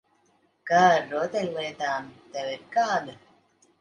Kā ar rotaļlietām? Tev ir kāda?